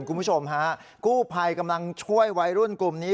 คุณผู้ชมฮะกู้ภัยกำลังช่วยวัยรุ่นกลุ่มนี้